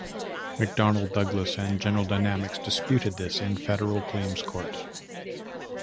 McDonnell Douglas and General Dynamics disputed this in Federal Claims court.